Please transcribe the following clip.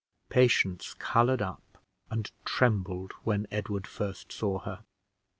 Patience colored up and trembled when Edward first saw her.